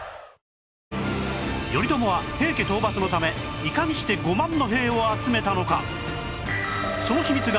頼朝は平家討伐のためいかにして５万の兵を集めたのか？